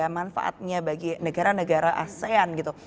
manfaatnya bagi negara negara asing